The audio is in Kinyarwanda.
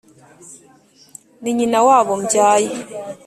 ni nyina w’abo mbyaye